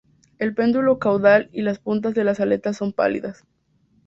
El pedúnculo caudal y las puntas de las aletas son pálidas.